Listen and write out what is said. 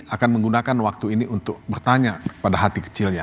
akan menggunakan waktu ini untuk bertanya kepada hati kecilnya